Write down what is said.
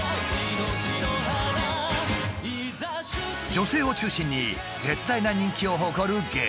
女性を中心に絶大な人気を誇るゲーム。